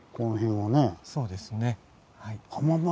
そうですね。